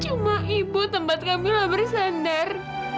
cuma ibu tempat kamilah bersandar